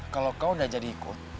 kalau kau udah jadi ikut